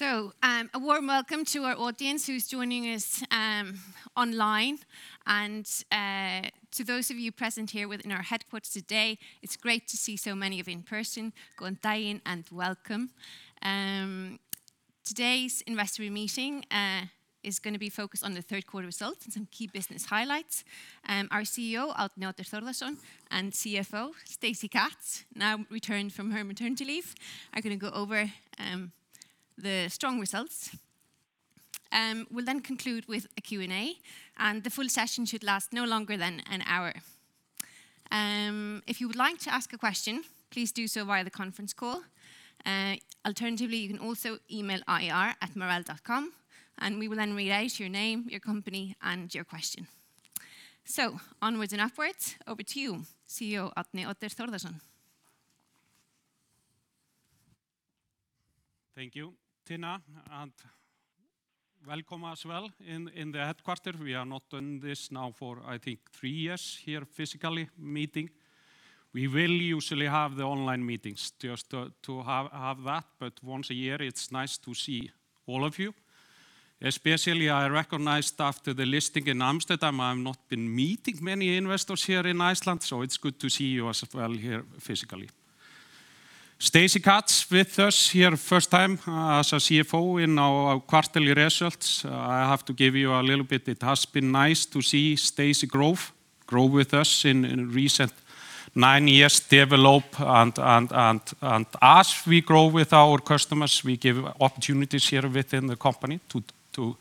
A warm welcome to our audience who's joining us online, and to those of you present here within our headquarters today. It's great to see so many of you in person, go and dive in, and welcome. Today's investor meeting is gonna be focused on the third quarter results and some key business highlights. Our CEO, Árni Oddur Þórðarson, and CFO, Stacey Katz, now returned from her maternity leave, are gonna go over the strong results. We'll then conclude with a Q&A, and the full session should last no longer than an hour. If you would like to ask a question, please do so via the conference call. Alternatively, you can also email ir@marel.com, and we will then read out your name, your company, and your question. Onwards and upwards, over to you, CEO Árni Oddur Þórðarson. Thank you, Tinna, and welcome as well in the headquarters. We have not done this for, I think, three years here physically meeting. We will usually have the online meetings just to have that, but once a year it's nice to see all of you. Especially I recognized after the listing in Amsterdam, I have not been meeting many investors here in Iceland, so it's good to see you as well here physically. Stacey Katz with us here first time as a CFO in our quarterly results. I have to give you a little bit. It has been nice to see Stacy grow with us in recent nine years, develop and as we grow with our customers, we give opportunities here within the company to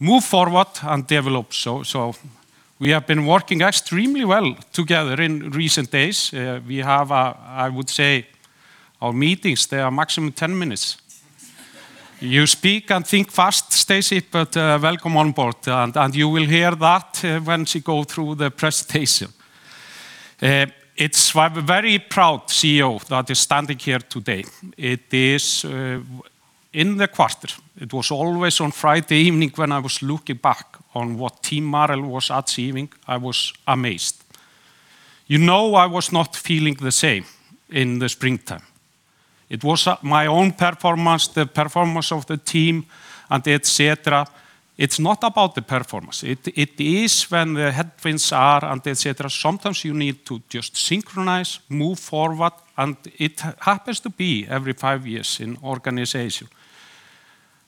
move forward and develop. We have been working extremely well together in recent days. We have, I would say our meetings, they are maximum 10 minutes. You speak and think fast, Stacey, but welcome on board, and you will hear that when she go through the presentation. I'm a very proud CEO that is standing here today. It is in the quarter, it was always on Friday evening when I was looking back on what Team Marel was achieving, I was amazed. You know, I was not feeling the same in the springtime. It was my own performance, the performance of the team and et cetera. It's not about the performance. It is when the headwinds are and et cetera, sometimes you need to just synchronize, move forward, and it happens to be every five years in organization.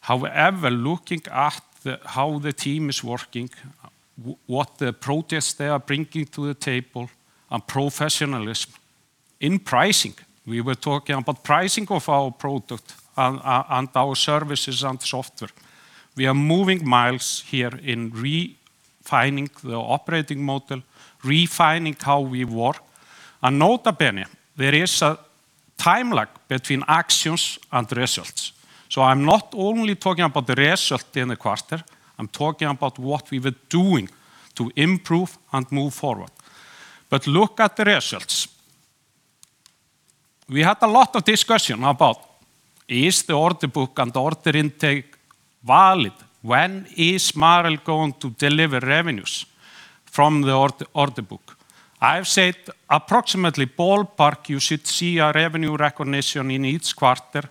However, looking at how the team is working, what the projects they are bringing to the table and professionalism in pricing. We were talking about pricing of our product and our services and software. We are moving miles here in refining the operating model, refining how we work. Notably, there is a time lag between actions and results. I'm not only talking about the result in the quarter, I'm talking about what we were doing to improve and move forward. Look at the results. We had a lot of discussion about whether the order book and order intake is valid. When is Marel going to deliver revenues from the order book. I've said approximately ballpark you should see a revenue recognition in each quarter. The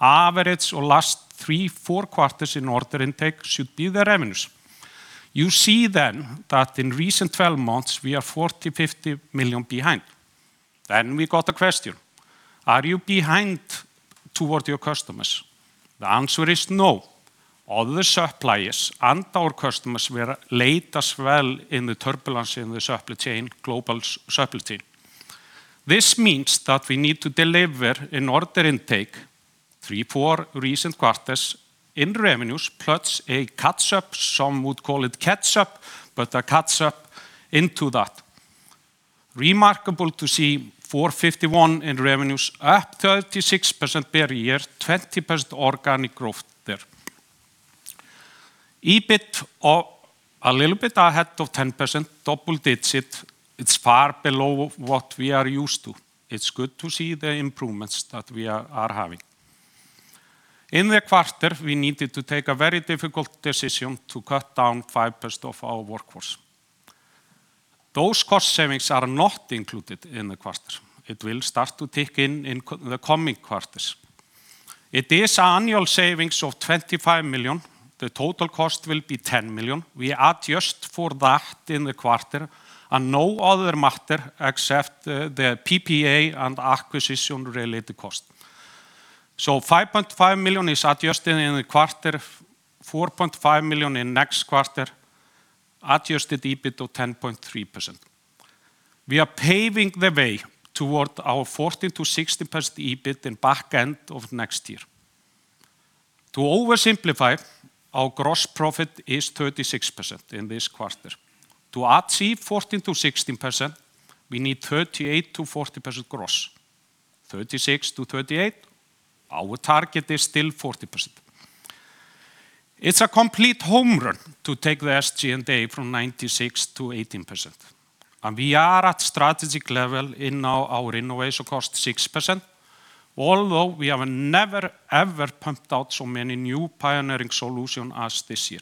average of the last three or four quarters in order intake should be the revenues. You see that in recent 12 months we are 40 million-50 million behind. We got a question: Are you behind toward your customers? The answer is no. Other suppliers and our customers were late as well in the turbulence in the supply chain, global supply chain. This means that we need to deliver an order intake three, four recent quarters in revenues, plus a catch-up, some would call it catch-up, but a catch-up into that. Remarkable to see 451 in revenues, up 36% per year, 20% organic growth there. EBIT of a little bit ahead of 10%, double-digit. It's far below what we are used to. It's good to see the improvements that we are having. In the quarter, we needed to take a very difficult decision to cut down 5% of our workforce. Those cost savings are not included in the quarter. It will start to tick in the coming quarters. It is annual savings of 25 million. The total cost will be 10 million. We adjust for that in the quarter and no other matter except the PPA and acquisition-related cost. 5.5 million is adjusted in the quarter, 4.5 million in next quarter, adjusted EBIT of 10.3%. We are paving the way toward our 14%-16% EBIT in back end of next year. To oversimplify, our gross profit is 36% in this quarter. To achieve 14%-16%, we need 38%-40% gross, 36%-38%. Our target is still 40%. It's a complete home run to take the SG&A from 96% to 18%. We are at strategic level in our innovation cost 6%, although we have never, ever pumped out so many new pioneering solution as this year.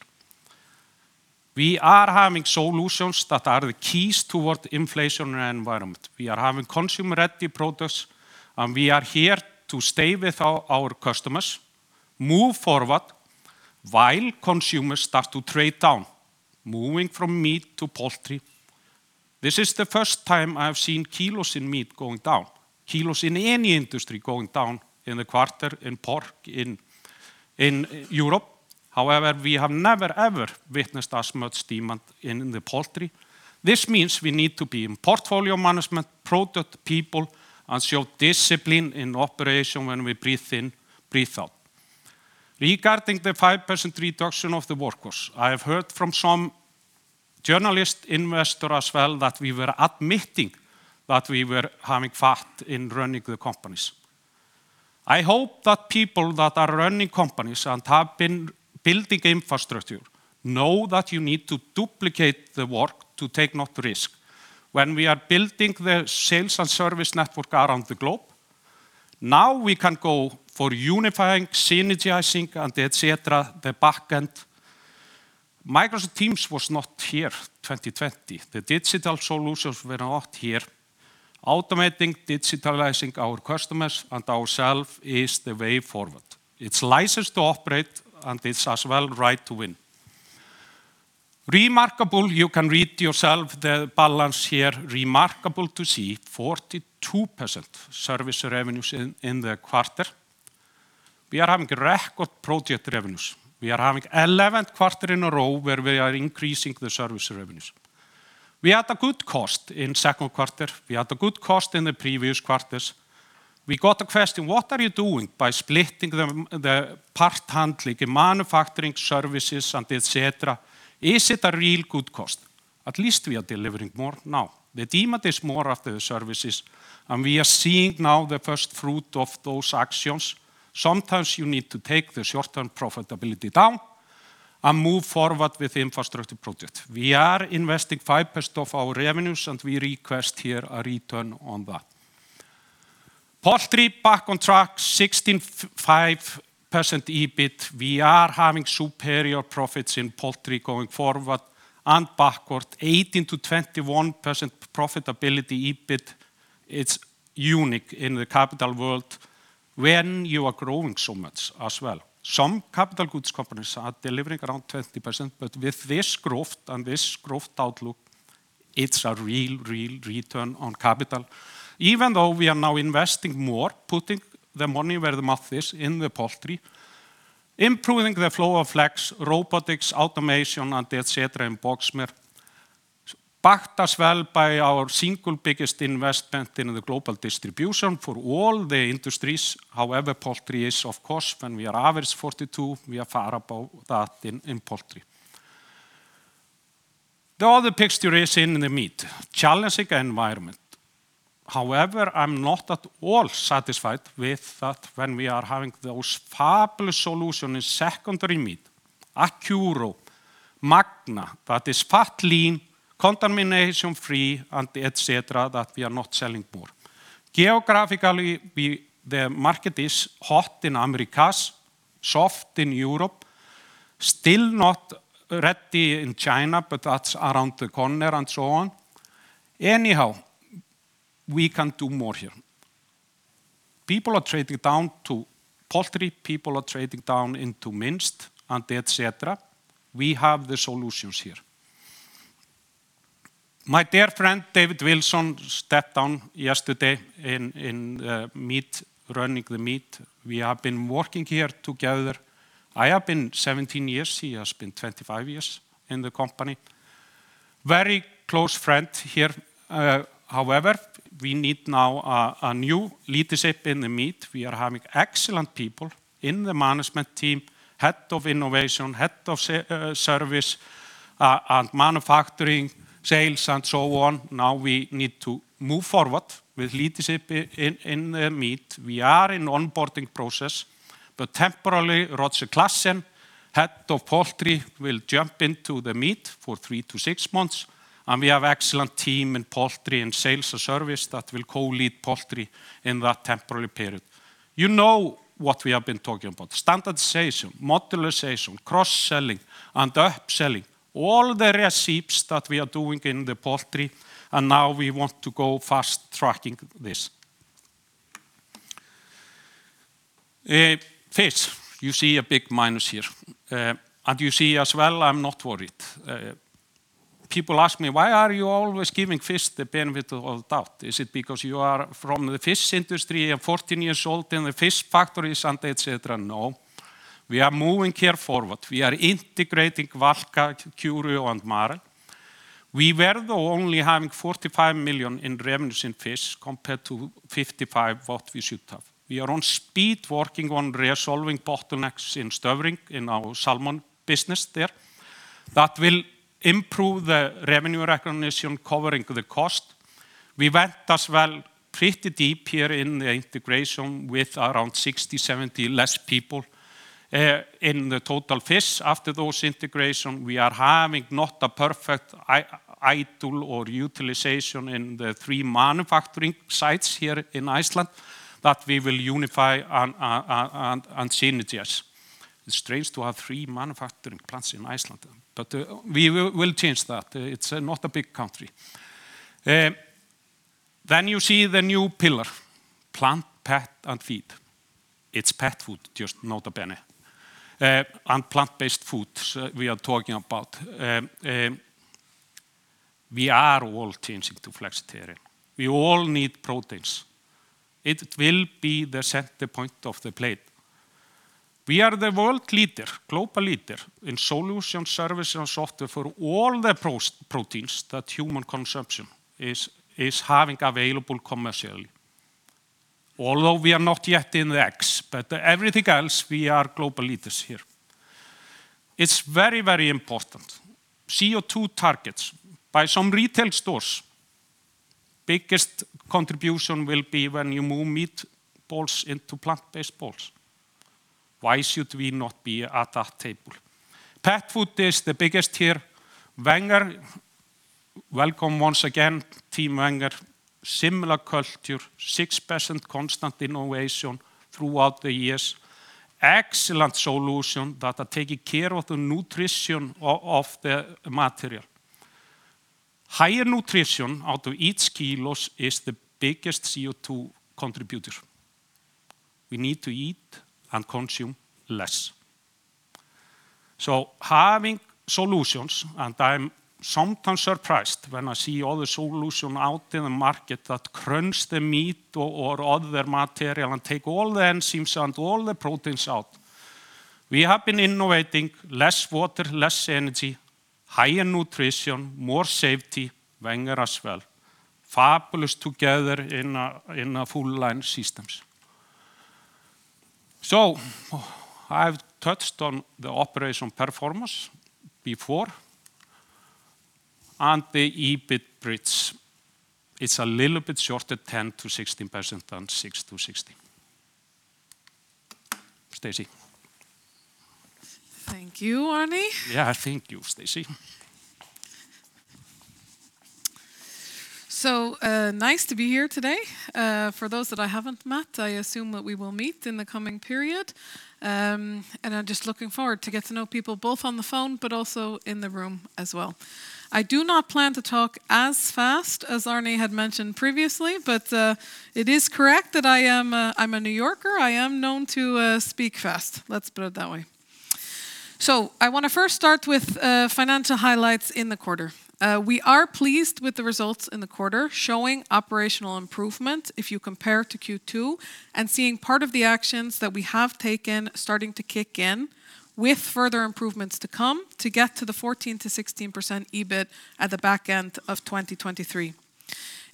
We are having solutions that are the keys toward inflationary environment. We are having consumer-ready products, and we are here to stay with our customers, move forward while consumers start to trade down, moving from meat to poultry. This is the first time I have seen kilos in meat going down, kilos in any industry going down in the quarter, in pork, in Europe. However, we have never, ever witnessed as much demand in the poultry. This means we need to be in portfolio management, product people, and show discipline in operation when we breathe in, breathe out. Regarding the 5% reduction of the workforce, I have heard from some journalists and investors as well that we were admitting that we were having fat in running the companies. I hope that people that are running companies and have been building infrastructure know that you need to duplicate the work to take no risk. When we are building the sales and service network around the globe, now we can go for unifying, synergizing, and et cetera, the back end. Microsoft Teams was not here in 2020. The digital solutions were not here. Automating, digitalizing our customers and ourselves is the way forward. It's license to operate, and it's as well right to win. Remarkable, you can read yourself the balance here. Remarkable to see 42% service revenues in the quarter. We are having record project revenues. We are having 11 quarters in a row where we are increasing the service revenues. We had a good cost in second quarter. We had a good cost in the previous quarters. We got a question, what are you doing by splitting the part handling in manufacturing services and et cetera? Is it a real good cost? At least we are delivering more now. The demand is more after the services, and we are seeing now the first fruit of those actions. Sometimes you need to take the short-term profitability down and move forward with infrastructure project. We are investing 5% of our revenues, and we request here a return on that. Poultry back on track, 16.5% EBIT. We are having superior profits in poultry going forward and backward. 18%-21% profitability EBIT, it's unique in the capital world when you are growing so much as well. Some capital goods companies are delivering around 20%, but with this growth and this growth outlook, it's a real return on capital. Even though we are now investing more, putting the money where the mouth is in the poultry, improving the flow of flex, robotics, automation, and et cetera in Boxmeer, backed as well by our single biggest investment in the global distribution for all the industries. However, poultry is of course, when we are average 42%, we are far above that in poultry. The other picture is in the meat. Challenging environment. However, I'm not at all satisfied with that when we are having those fabulous solutions in secondary meat. Accuro, Magna, that is fat lean, contamination-free, and et cetera, that we are not selling more. Geographically, the market is hot in Americas, soft in Europe, still not ready in China, but that's around the corner and so on. Anyhow, we can do more here. People are trading down to poultry. People are trading down into minced and et cetera. We have the solutions here. My dear friend, David Wilson, stepped down yesterday in meat, running the meat. We have been working here together. I have been 17 years. He has been 25 years in the company. Very close friend here. However, we need now a new leadership in the meat. We are having excellent people in the management team, head of innovation, head of service, and manufacturing, sales, and so on. Now we need to move forward with leadership in the meat. We are in onboarding process, but temporarily Roger Claessens, head of poultry, will jump into the meat for three to six months, and we have excellent team in poultry and sales and service that will co-lead poultry in that temporary period. You know what we have been talking about. Standardization, modularization, cross-selling, and up-selling. All the recipes that we are doing in the poultry, and now we want to go fast-tracking this. Fish, you see a big minus here. You see as well I'm not worried. People ask me, "Why are you always giving fish the benefit of the doubt? Is it because you are from the fish industry and 14 years old in the fish factories, and et cetera?" No. We are moving here forward. We are integrating Valka, Curio, and Marel. We were only having 45 million in revenues in fish compared to 55 million what we should have. We are on speed working on resolving bottlenecks in Støvring, in our salmon business there. That will improve the revenue recognition covering the cost. We went as well pretty deep here in the integration with around 60, 70 less people in the total fish. After those integration, we are having not a perfect idle or utilization in the three manufacturing sites here in Iceland that we will unify and synergize. It's strange to have three manufacturing plants in Iceland, but we will change that. It's not a big country. You see the new pillar, plant, pet and feed. It's pet food, just nota bene. And plant-based foods, we are talking about. We are all changing to flexitarian. We all need proteins. It will be the center point of the plate. We are the world leader, global leader in solution, service, and software for all the proteins that human consumption is having available commercially. Although we are not yet in the eggs, but everything else, we are global leaders here. It's very, very important. CO2 targets by some retail stores. Biggest contribution will be when you move meat balls into plant-based balls. Why should we not be at that table? Pet food is the biggest here. Wenger, welcome once again, Team Wenger. Similar culture, 6% constant innovation throughout the years. Excellent solution that are taking care of the nutrition of the material. Higher nutrition out of each kilos is the biggest CO2 contributor. We need to eat and consume less. Having solutions, and I'm sometimes surprised when I see all the solutions out in the market that crunches the meat or other material and take all the enzymes and all the proteins out. We have been innovating less water, less energy, higher nutrition, more safety, Wenger as well. Fabulous together in a full-line systems. I've touched on the operational performance before and the EBIT bridge. It's a little bit shorter, 10%-16% than 6%-16%. Stacey. Thank you, Árni. Yeah. Thank you, Stacey. Nice to be here today. For those that I haven't met, I assume that we will meet in the coming period, and I'm just looking forward to get to know people both on the phone, but also in the room as well. I do not plan to talk as fast as Árni had mentioned previously, but it is correct that I'm a New Yorker. I am known to speak fast. Let's put it that way. I wanna first start with financial highlights in the quarter. We are pleased with the results in the quarter, showing operational improvement if you compare to Q2, and seeing part of the actions that we have taken starting to kick in with further improvements to come to get to the 14%-16% EBIT at the back end of 2023.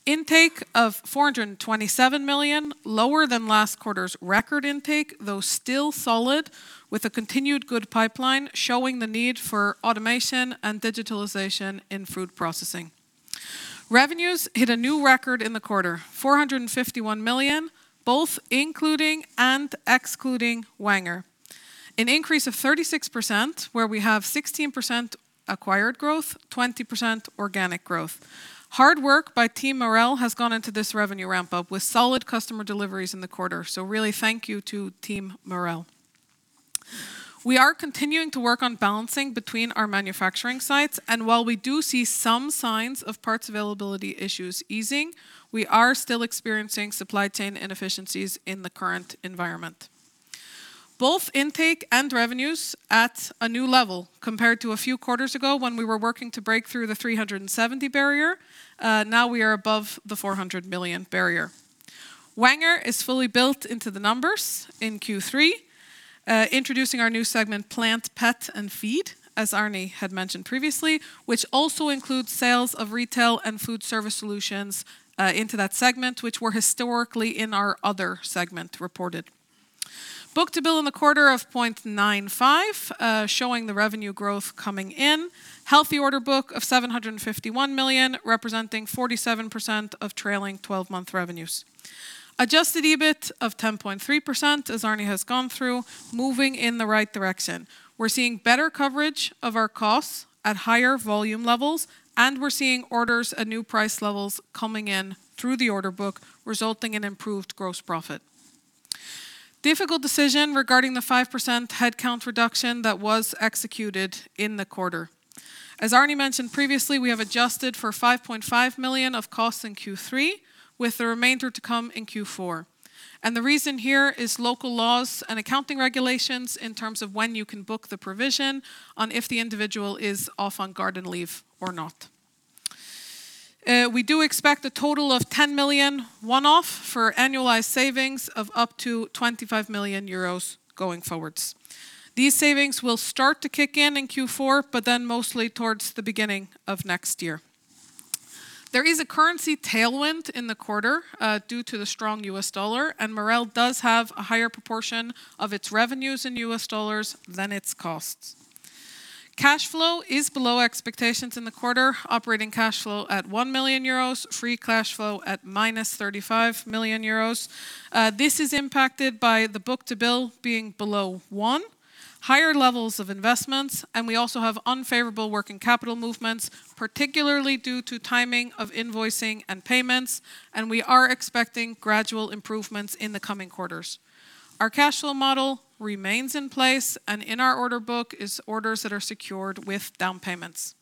Intake of 427 million, lower than last quarter's record intake, though still solid, with a continued good pipeline showing the need for automation and digitalization in food processing. Revenues hit a new record in the quarter, 451 million, both including and excluding Wenger. An increase of 36%, where we have 16% acquired growth, 20% organic growth. Hard work by Team Marel has gone into this revenue ramp-up with solid customer deliveries in the quarter, so really thank you to Team Marel. We are continuing to work on balancing between our manufacturing sites, and while we do see some signs of parts availability issues easing, we are still experiencing supply chain inefficiencies in the current environment. Both intake and revenues at a new level compared to a few quarters ago when we were working to break through the 370 barrier. Now we are above the 400 million barrier. Wenger is fully built into the numbers in Q3, introducing our new segment, plant, pet, and feed, as Árni had mentioned previously, which also includes sales of retail and food service solutions into that segment, which were historically in our other segment reported. Book-to-bill in the quarter of 0.95, showing the revenue growth coming in. Healthy order book of 751 million, representing 47% of trailing twelve-month revenues. Adjusted EBIT of 10.3%, as Árni has gone through, moving in the right direction. We're seeing better coverage of our costs at higher volume levels, and we're seeing orders at new price levels coming in through the order book, resulting in improved gross profit. Difficult decision regarding the 5% headcount reduction that was executed in the quarter. As Árni mentioned previously, we have adjusted for 5.5 million of costs in Q3, with the remainder to come in Q4. The reason here is local laws and accounting regulations in terms of when you can book the provision on if the individual is off on garden leave or not. We do expect a total of 10 million one-off for annualized savings of up to 25 million euros going forwards. These savings will start to kick in in Q4, but then mostly towards the beginning of next year. There is a currency tailwind in the quarter, due to the strong US dollar, and Marel does have a higher proportion of its revenues in US dollars than its costs. Cash flow is below expectations in the quarter. Operating cash flow at 1 million euros, free cash flow at -35 million euros. This is impacted by the book-to-bill being below one, higher levels of investments, and we also have unfavorable working capital movements, particularly due to timing of invoicing and payments, and we are expecting gradual improvements in the coming quarters. Our cash flow model remains in place, and in our order book is orders that are secured with down payments.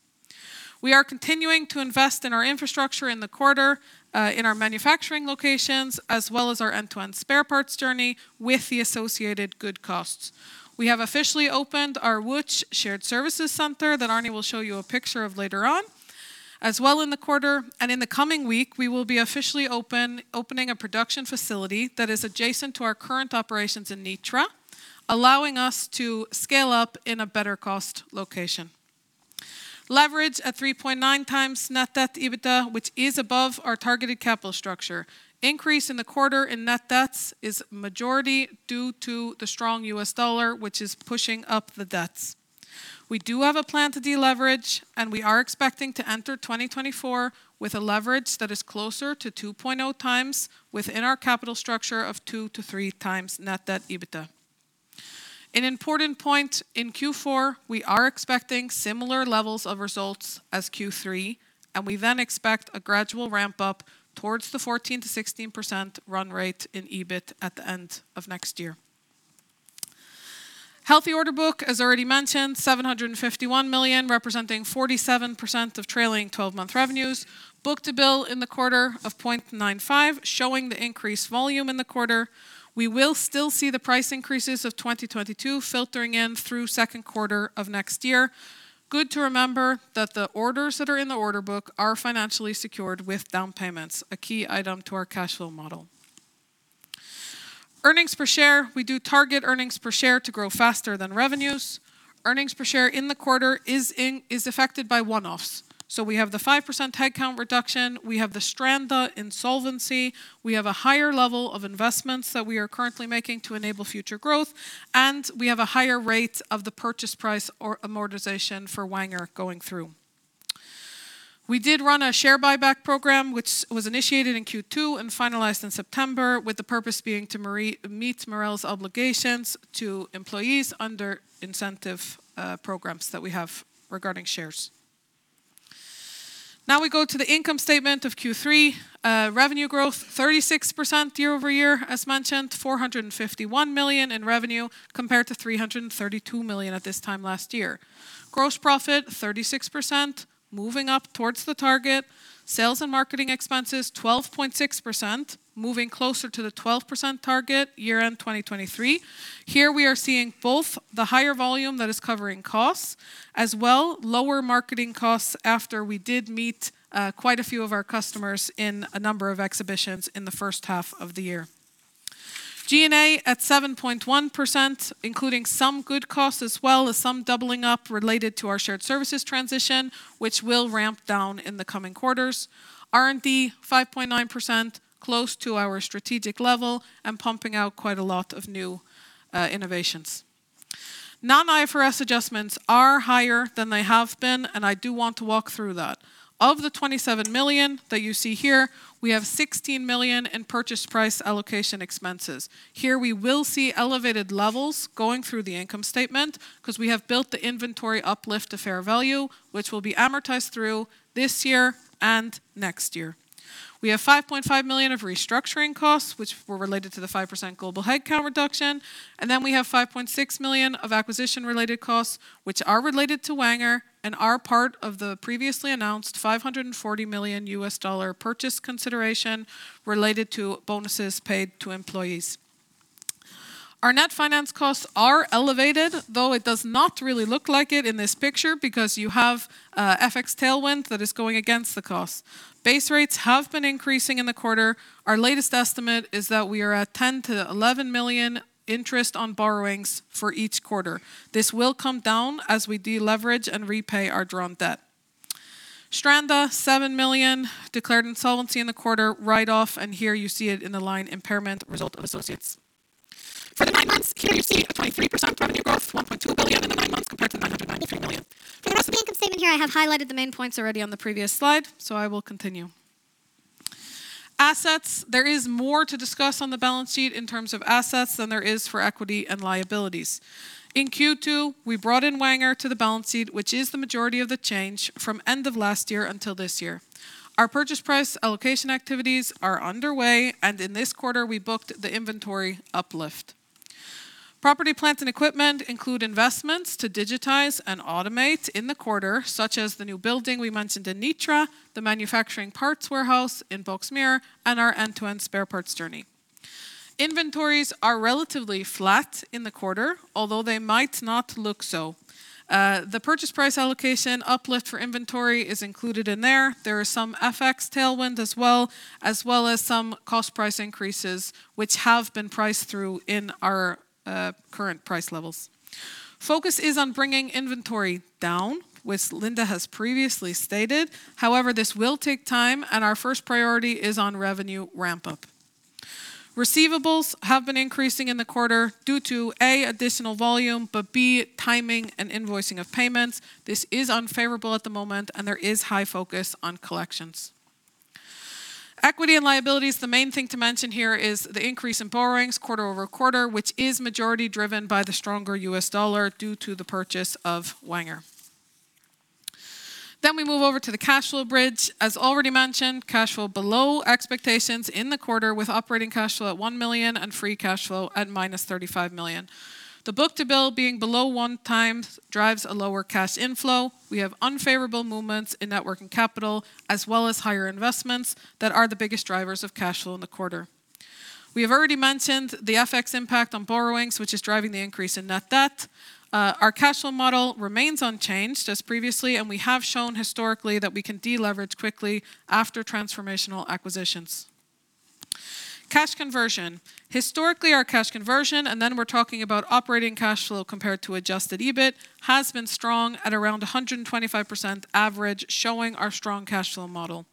We are continuing to invest in our infrastructure in the quarter, in our manufacturing locations, as well as our end-to-end spare parts journey with the associated goodwill costs. We have officially opened our Łódź Shared Services Center that Árni will show you a picture of later on. As well in the quarter and in the coming week, we will be officially opening a production facility that is adjacent to our current operations in Nitra, allowing us to scale up in a better cost location. Leverage at 3.9x net debt to EBITDA, which is above our targeted capital structure. Increase in the quarter in net debt is majority due to the strong US dollar, which is pushing up the debts. We do have a plan to deleverage, and we are expecting to enter 2024 with a leverage that is closer to 2.0 times within our capital structure of 2-3x net debt to EBITDA. An important point, in Q4, we are expecting similar levels of results as Q3, and we then expect a gradual ramp-up towards the 14%-16% run rate in EBIT at the end of next year. Healthy order book, as already mentioned, 751 million, representing 47% of trailing twelve-month revenues. Book-to-bill in the quarter of 0.95, showing the increased volume in the quarter. We will still see the price increases of 2022 filtering in through second quarter of next year. Good to remember that the orders that are in the order book are financially secured with down payments, a key item to our cash flow model. Earnings per share, we do target earnings per share to grow faster than revenues. Earnings per share in the quarter is affected by one-offs. We have the 5% head count reduction, we have the Stranda insolvency, we have a higher level of investments that we are currently making to enable future growth, and we have a higher rate of the purchase price or amortization for Wenger going through. We did run a share buyback program, which was initiated in Q2 and finalized in September, with the purpose being to meet Marel's obligations to employees under incentive programs that we have regarding shares. Now we go to the income statement of Q3. Revenue growth, 36% year-over-year, as mentioned, 451 million in revenue compared to 332 million at this time last year. Gross profit, 36%, moving up towards the target. Sales and marketing expenses, 12.6%, moving closer to the 12% target year-end 2023. Here we are seeing both the higher volume that is covering costs, as well as lower marketing costs after we did meet quite a few of our customers in a number of exhibitions in the first half of the year. G&A at 7.1%, including some goodwill costs as well as some doubling up related to our shared services transition, which will ramp down in the coming quarters. R&D, 5.9%, close to our strategic level and pumping out quite a lot of new innovations. Non-IFRS adjustments are higher than they have been, and I do want to walk through that. Of the 27 million that you see here, we have 16 million in purchase price allocation expenses. Here we will see elevated levels going through the income statement because we have built the inventory uplift to fair value, which will be amortized through this year and next year. We have 5.5 million of restructuring costs, which were related to the 5% global headcount reduction. Then we have 5.6 million of acquisition-related costs, which are related to Wenger and are part of the previously announced $540 million purchase consideration related to bonuses paid to employees. Our net finance costs are elevated, though it does not really look like it in this picture because you have FX tailwind that is going against the cost. Base rates have been increasing in the quarter. Our latest estimate is that we are at 10 million- 11 million interest on borrowings for each quarter. This will come down as we deleverage and repay our drawn debt. Stranda, 7 million, declared insolvency in the quarter write off, and here you see it in the line impairment result of associates. For the nine months, here you see a 23% revenue growth, 1.2 billion in the nine months compared to 993 million. For the rest of the income statement here, I have highlighted the main points already on the previous slide, so I will continue. Assets, there is more to discuss on the balance sheet in terms of assets than there is for equity and liabilities. In Q2, we brought in Wenger to the balance sheet, which is the majority of the change from end of last year until this year. Our purchase price allocation activities are underway, and in this quarter, we booked the inventory uplift. Property, plant, and equipment include investments to digitize and automate in the quarter, such as the new building we mentioned in Nitra, the manufacturing parts warehouse in Boxmeer, and our end-to-end spare parts journey. Inventories are relatively flat in the quarter, although they might not look so. The Purchase Price Allocation uplift for inventory is included in there. There is some FX tailwind as well, as well as some cost price increases, which have been priced through in our current price levels. Focus is on bringing inventory down, which Linda has previously stated. However, this will take time, and our first priority is on revenue ramp-up. Receivables have been increasing in the quarter due to A, additional volume, but B, timing and invoicing of payments. This is unfavorable at the moment, and there is high focus on collections. Equity and liabilities, the main thing to mention here is the increase in borrowings quarter-over-quarter, which is majority driven by the stronger US dollar due to the purchase of Wenger. We move over to the cash flow bridge. As already mentioned, cash flow below expectations in the quarter with operating cash flow at 1 million and free cash flow at -35 million. The book-to-bill being below one times drives a lower cash inflow. We have unfavorable movements in net working capital, as well as higher investments that are the biggest drivers of cash flow in the quarter. We have already mentioned the FX impact on borrowings, which is driving the increase in net debt. Our cash flow model remains unchanged as previously, and we have shown historically that we can deleverage quickly after transformational acquisitions. Cash conversion. Historically, our cash conversion, and then we're talking about operating cash flow compared to adjusted EBIT, has been strong at around 125% average, showing our strong cash flow model.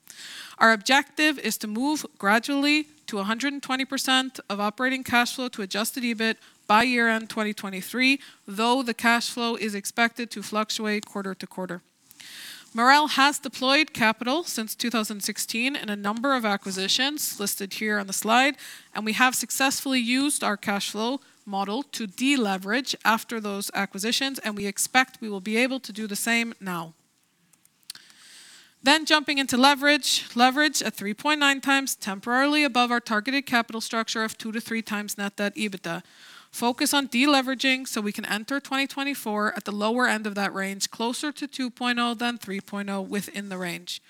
Our objective is to move gradually to 120% of operating cash flow to adjusted EBIT by year-end 2023, though the cash flow is expected to fluctuate quarter to quarter. Marel has deployed capital since 2016 in a number of acquisitions listed here on the slide, and we have successfully used our cash flow model to deleverage after those acquisitions, and we expect we will be able to do the same now. Jumping into leverage. Leverage at 3.9x temporarily above our targeted capital structure of 2-3x net debt to EBITDA. Focus on deleveraging so we can enter 2024 at the lower end of that range, closer to 2.0 than 3.0 within the range.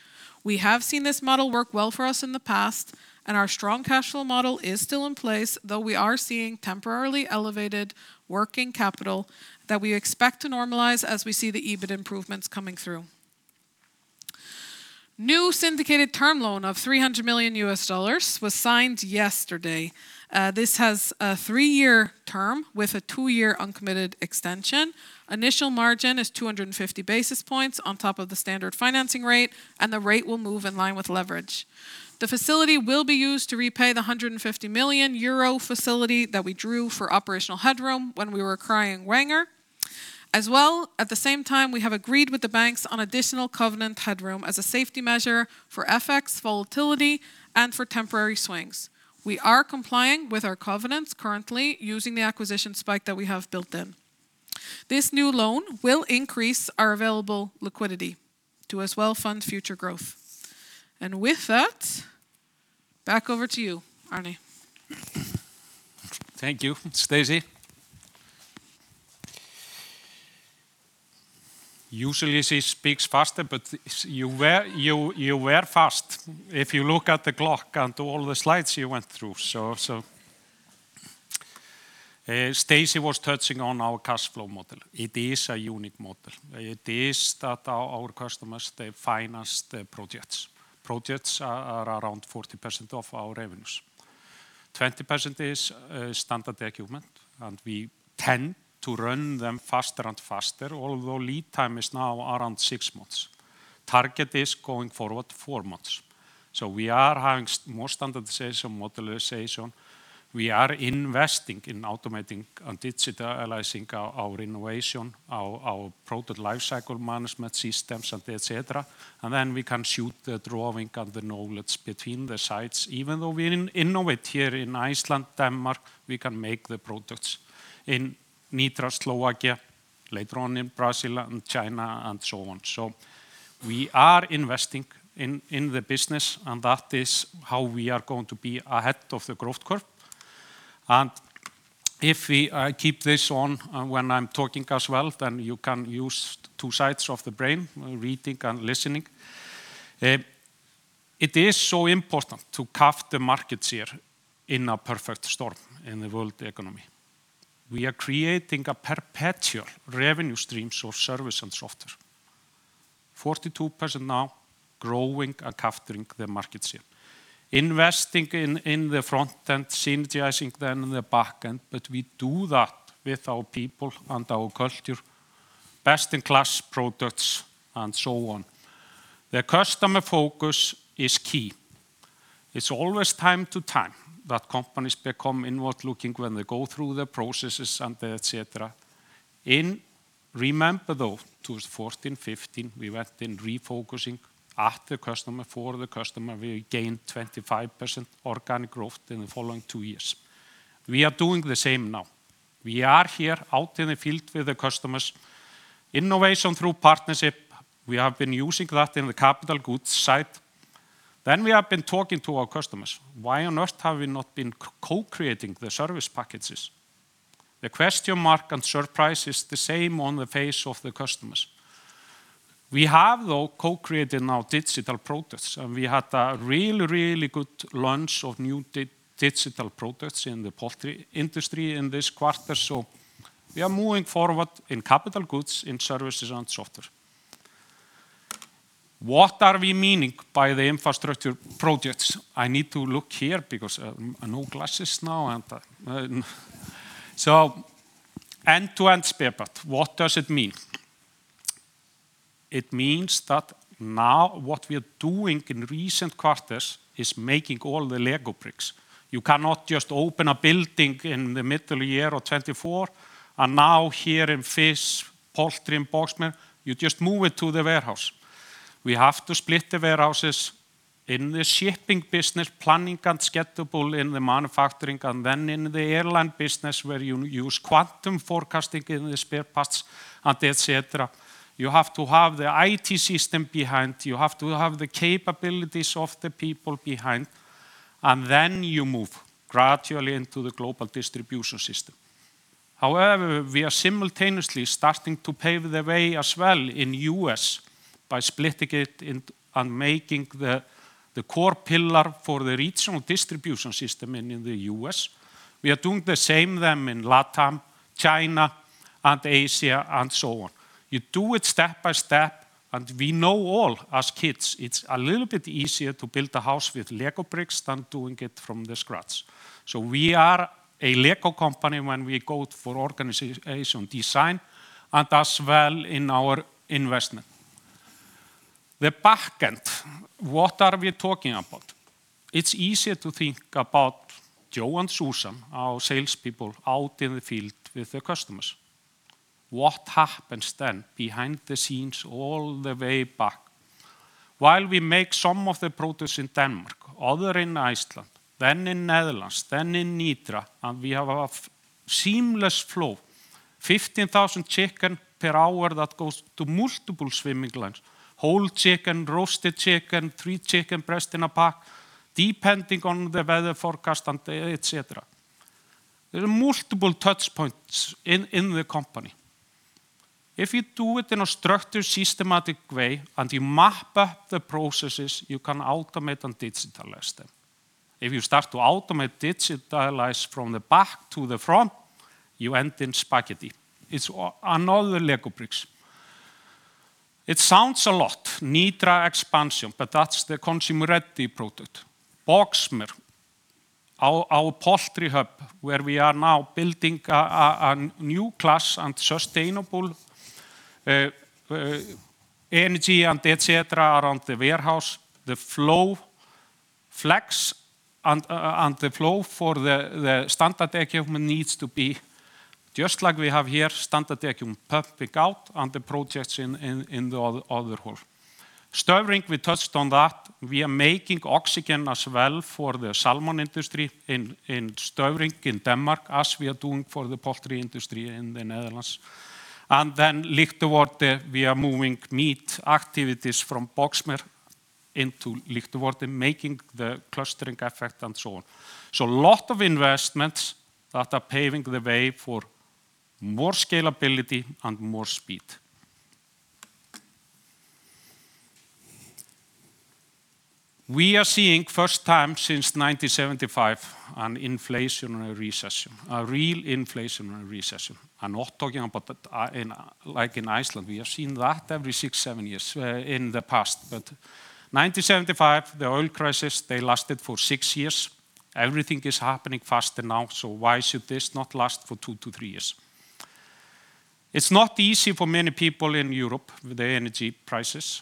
We have seen this model work well for us in the past, and our strong cash flow model is still in place, though we are seeing temporarily elevated working capital that we expect to normalize as we see the EBIT improvements coming through. New syndicated term loan of $300 million was signed yesterday. This has a three-year term with a two-year uncommitted extension. Initial margin is 250 basis points on top of the standard financing rate, and the rate will move in line with leverage. The facility will be used to repay the 150 million euro facility that we drew for operational headroom when we were acquiring Wenger. As well, at the same time, we have agreed with the banks on additional covenant headroom as a safety measure for FX volatility and for temporary swings. We are complying with our covenants currently using the acquisition spike that we have built in. This new loan will increase our available liquidity to as well fund future growth. With that, back over to you, Árni. Thank you, Stacey. Usually she speaks faster, but you were fast if you look at the clock and all the slides you went through. Stacey was touching on our cash flow model. It is a unique model. It is that our customers, they finance the projects. Projects are around 40% of our revenues. 20% is standard equipment, and we tend to run them faster and faster, although lead time is now around six months. Target is going forward four months. We are having more standardization, modularization. We are investing in automating and digitizing our innovation, our product lifecycle management systems and et cetera. Then we can share the drawing and the knowledge between the sites. Even though we innovate here in Iceland, Denmark, we can make the products in Nitra, Slovakia, later on in Brazil and China and so on. We are investing in the business, and that is how we are going to be ahead of the growth curve. If we keep this on when I'm talking as well, then you can use two sides of the brain, reading and listening. It is so important to capture the markets here in a perfect storm in the world economy. We are creating a perpetual revenue streams of service and software. 42% now growing and capturing the market share. Investing in the front and synergizing then in the back end, but we do that with our people and our culture, best-in-class products, and so on. The customer focus is key. It's always from time to time that companies become inward-looking when they go through the processes and et cetera. Remember though, 2014, 2015, we went in refocusing at the customer, for the customer, we gained 25% organic growth in the following two years. We are doing the same now. We are here out in the field with the customers. Innovation through partnership, we have been using that in the capital goods side. Then we have been talking to our customers. Why on earth have we not been co-creating the service packages? The question mark and surprise is the same on the face of the customers. We have, though, co-created now digital products, and we had a really, really good launch of new digital products in the poultry industry in this quarter. We are moving forward in capital goods, in services and software. What are we meaning by the infrastructure projects? I need to look here because no glasses now and. End-to-end spare part, what does it mean? It means that now what we are doing in recent quarters is making all the Lego bricks. You cannot just open a building in the middle year of 2024, and now here in fish, poultry, and Boxmeer, you just move it to the warehouse. We have to split the warehouses. In the shipping business, planning and scheduling in the manufacturing, and then in the airline business where you use quantum forecasting in the spare parts and et cetera. You have to have the IT system behind, you have to have the capabilities of the people behind, and then you move gradually into the global distribution system. However, we are simultaneously starting to pave the way as well in U.S. by splitting it and making the core pillar for the regional distribution system in the U.S. We are doing the same then in LatAm, China, and Asia, and so on. You do it step by step, and we all know as kids, it's a little bit easier to build a house with Lego bricks than doing it from scratch. We are a Lego company when we go for organization design and as well in our investment. The back end, what are we talking about? It's easier to think about Joe and Susan, our salespeople out in the field with the customers. What happens then behind the scenes all the way back? While we make some of the product in Denmark, other in Iceland, then in Netherlands, then in Nitra, and we have a seamless flow. 15,000 chicken per hour that goes to multiple swimming lanes. Whole chicken, roasted chicken, three chicken breast in a pack, depending on the weather forecast and et cetera. There are multiple touch points in the company. If you do it in a structured, systematic way, and you map out the processes, you can automate and digitalize them. If you start to automate, digitalize from the back to the front, you end in spaghetti. It's another Lego bricks. It sounds a lot, Nitra expansion, but that's the consumer-ready product. Boxmeer, our poultry hub, where we are now building a new class and sustainable energy and et cetera around the warehouse. The flow, flex and the flow for the standard equipment needs to be just like we have here, standard equipment pumping out and the projects in the other half. Støvring, we touched on that. We are making oxygen as well for the salmon industry in Støvring in Denmark as we are doing for the poultry industry in the Netherlands. Lichtenvoorde, we are moving meat activities from Boxmeer into Lichtenvoorde, making the clustering effect and so on. Lot of investments that are paving the way for more scalability and more speed. We are seeing first time since 1975 an inflationary recession, a real inflationary recession. I'm not talking about like in Iceland, we have seen that every six, seven years in the past. 1975, the oil crisis, they lasted for six years. Everything is happening faster now, so why should this not last for two to three years? It's not easy for many people in Europe with the energy prices.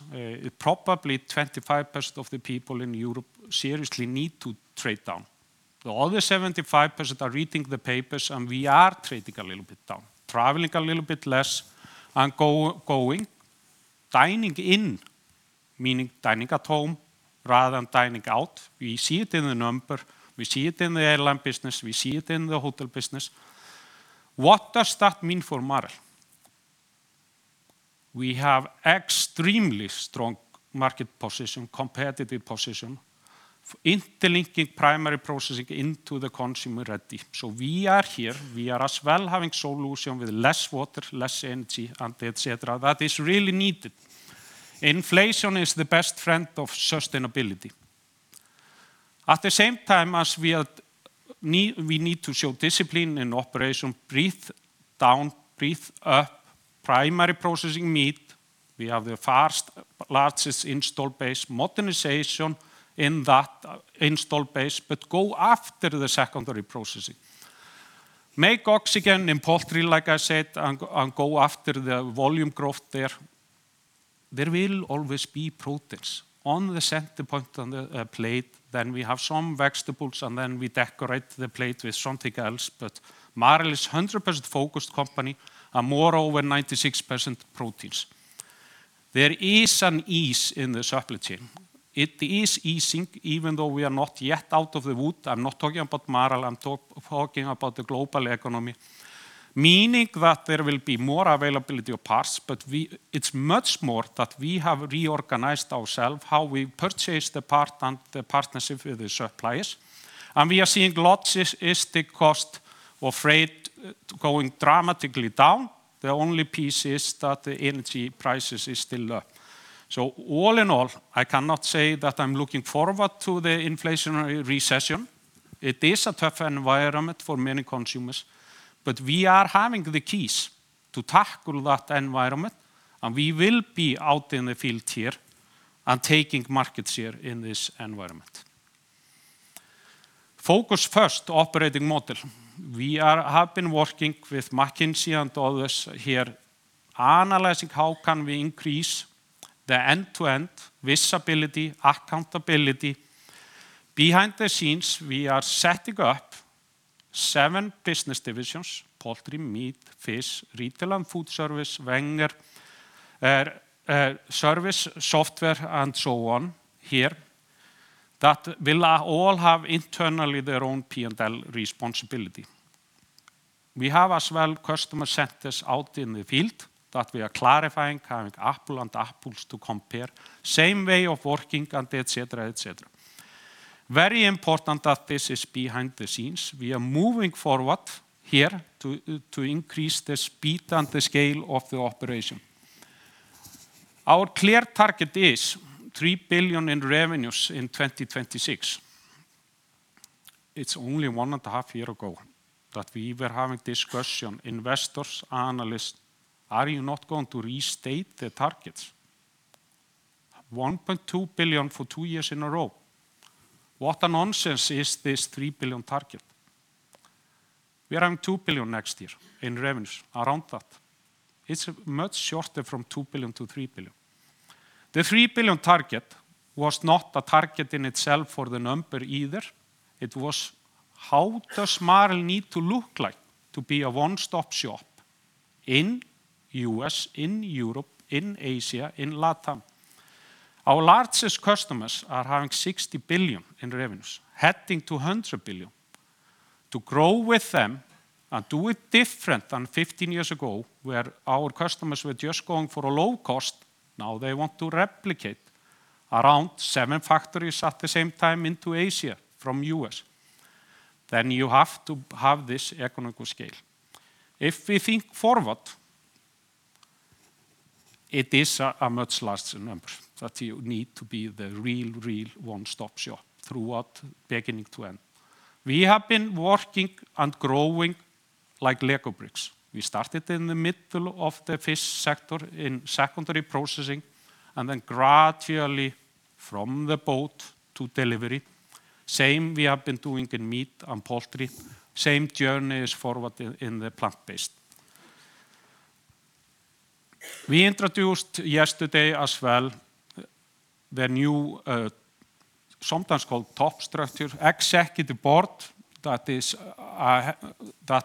Probably 25% of the people in Europe seriously need to trade down. The other 75% are reading the papers, and we are trading a little bit down, traveling a little bit less and going, dining in, meaning dining at home rather than dining out. We see it in the number, we see it in the airline business, we see it in the hotel business. What does that mean for Marel? We have extremely strong market position, competitive position, interlinking primary processing into the consumer-ready. We are here, we are as well having solution with less water, less energy and et cetera. That is really needed. Inflation is the best friend of sustainability. At the same time as we need to show discipline in operation, break down, break up, primary processing meat. We have the vast, largest installed base, modernization in that installed base, but go after the secondary processing. Make acquisitions in poultry, like I said, and go after the volume growth there. There will always be proteins on the center point on the plate, then we have some vegetables, and then we decorate the plate with something else. Marel is 100% focused company and moreover 96% proteins. There is an ease in the supply chain. It is easing even though we are not yet out of the woods. I'm not talking about Marel. I'm talking about the global economy, meaning that there will be more availability of parts, but it's much more that we have reorganized ourselves how we purchase the part and the partnership with the suppliers. We are seeing logistics cost of freight going dramatically down. The only piece is that the energy prices is still up. All in all, I cannot say that I'm looking forward to the inflationary recession. It is a tough environment for many consumers, but we are having the keys to tackle that environment, and we will be out in the field here and taking markets here in this environment. Focus first operating model. We have been working with McKinsey and others here, analyzing how can we increase the end-to-end visibility, accountability. Behind the scenes, we are setting up seven business divisions, poultry, meat, fish, retail and food service, Wenger, service, software, and so on here that will all have internally their own P&L responsibility. We have as well customer centers out in the field that we are clarifying, having apples to apples to compare, same way of working and et cetera, et cetera. Very important that this is behind the scenes. We are moving forward here to increase the speed and the scale of the operation. Our clear target is 3 billion in revenues in 2026. It's only one and a half year ago that we were having discussion, investors, analysts, are you not going to restate the targets? 1.2 billion for two years in a row. What nonsense is this three billion target? We're having 2 billion next year in revenues, around that. It's much shorter from 2 billion to 3 billion. The 3 billion target was not a target in itself for the number either. It was how does Marel need to look like to be a one-stop shop in U.S., in Europe, in Asia, in LatAm. Our largest customers are having 60 billion in revenues, heading to 100 billion. To grow with them and do it different than 15 years ago, where our customers were just going for a low cost, now they want to replicate around seven factories at the same time into Asia from U.S., then you have to have this economic scale. If we think forward, it is a much larger number that you need to be the real one-stop shop throughout beginning to end. We have been working and growing like Lego bricks. We started in the middle of the fish sector in secondary processing, and then gradually from the boat to delivery. Same we have been doing in meat and poultry. Same journey is forward in the plant-based. We introduced yesterday as well the new sometimes called top structure executive board that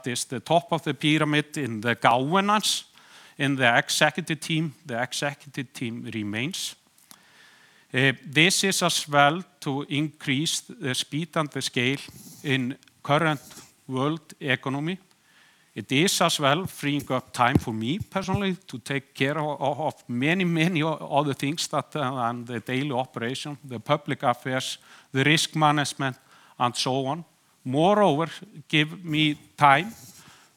is the top of the pyramid in the governance. In the executive team, the executive team remains. This is as well to increase the speed and the scale in current world economy. It is as well freeing up time for me personally to take care of many other things and the daily operation, the public affairs, the risk management, and so on. Moreover, give me time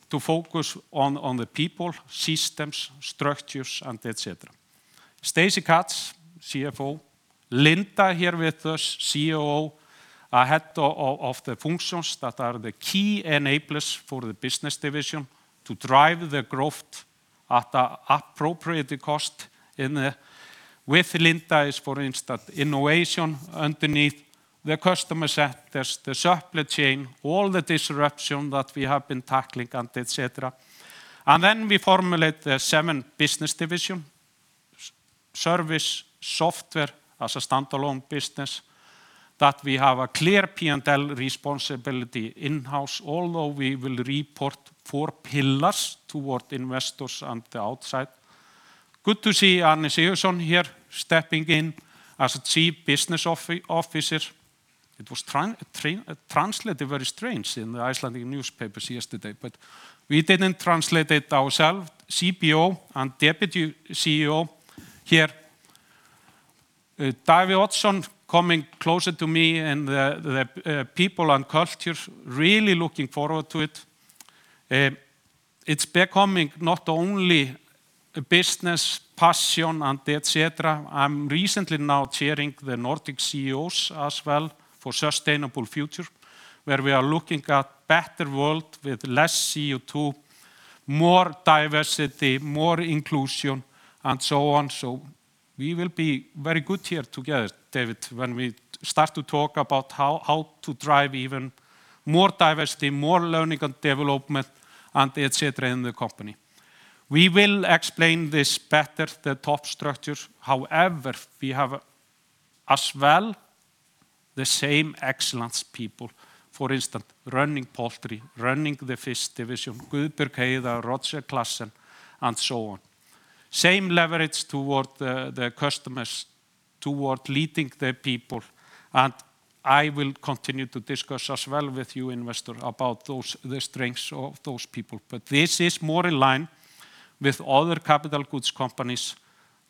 to focus on the people, systems, structures, and et cetera. Stacey Katz, CFO, Linda here with us, COO, head of the functions that are the key enablers for the business division to drive the growth at an appropriate cost in the. With Linda is, for instance, innovation underneath the customer centers, the supply chain, all the disruption that we have been tackling and et cetera. Then we formulate the seven business division, service, software as a standalone business, that we have a clear P&L responsibility in-house, although we will report four pillars toward investors and the outside. Good to see Árni Sigurðsson here stepping in as chief business officer. It was translated very strange in the Icelandic newspapers yesterday, but we didn't translate it ourself. CBO and deputy CEO here. Davíð Oddsson coming closer to me and the people and culture, really looking forward to it. It's becoming not only a business passion and et cetera. I'm recently now chairing the Nordic CEOs as well for sustainable future, where we are looking at better world with less CO2, more diversity, more inclusion, and so on. We will be very good here together, Davíð, when we start to talk about how to drive even more diversity, more learning and development, and et cetera in the company. We will explain this better, the top structures. However, we have as well the same excellent people, for instance, running poultry, running the fish division, Guðbjörg Heiða, Roger Claessens, and so on. Same leverage toward the customers, toward leading the people, and I will continue to discuss as well with you investor about the strengths of those people. This is more in line with other capital goods companies